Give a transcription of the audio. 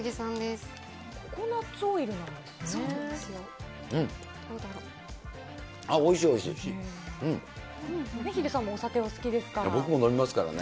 ココナッツオイルなんですね。